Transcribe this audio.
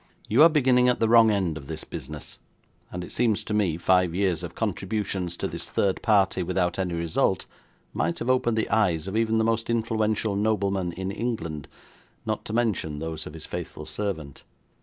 You are beginning at the wrong end of this business, and it seems to me five years of contributions to this third party without any result might have opened the eyes of even the most influential nobleman in England, not to mention those of his faithful servant.'